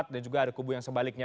dan juga ada kubu yang sebaliknya